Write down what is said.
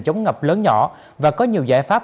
chống ngập lớn nhỏ và có nhiều giải pháp